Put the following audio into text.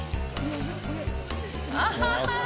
アハハッ。